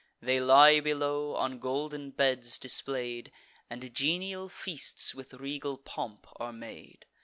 They lie below, on golden beds display'd; And genial feasts with regal pomp are made.